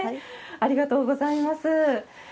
ありがとうございます。